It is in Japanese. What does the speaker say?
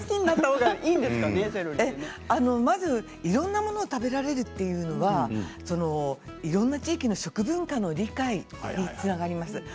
いろんなものが食べられるというのはいろんな地域の食文化の理解につながります。